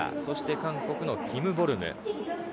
そして韓国のキム・ボルム。